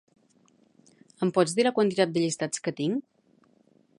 Em pots dir la quantitat de llistats que tinc?